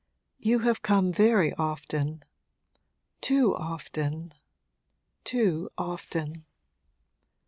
'You have come very often too often, too often!'